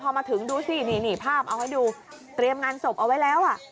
พอมาถึงดูสินี่ภาพเอาให้ดูเตรียมงานศพเอาไว้แล้วอ่ะ